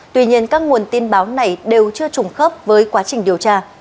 tuy nhiên các nguồn tin báo này đều chưa trùng khớp với quá trình điều tra